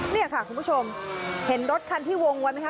นี่ค่ะคุณผู้ชมเห็นรถคันที่วงไว้ไหมคะ